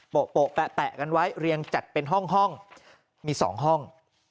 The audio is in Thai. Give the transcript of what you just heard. โปะแปะกันไว้เรียงจัดเป็นห้องมี๒ห้อง